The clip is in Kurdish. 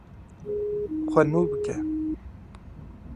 Xwe nû bike.